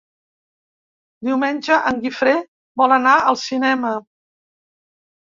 Diumenge en Guifré vol anar al cinema.